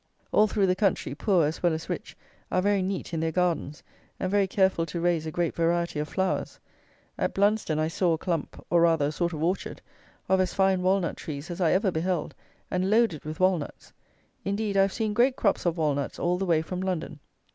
All through the country, poor, as well as rich, are very neat in their gardens, and very careful to raise a great variety of flowers. At Blunsdon I saw a clump, or, rather, a sort of orchard, of as fine walnut trees as I ever beheld, and loaded with walnuts. Indeed I have seen great crops of walnuts all the way from London.